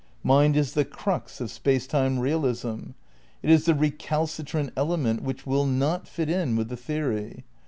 Mind is the crux of Space Time realism. It is the recalcitrant element which will not fit in with the theory.